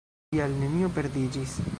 Tial, nenio perdiĝis.